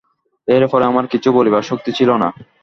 এর পরে আমার কিছু বলবার শক্তি ছিল না।